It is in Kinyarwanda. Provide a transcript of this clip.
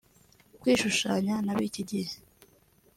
Kwishushanya n’abíki gihe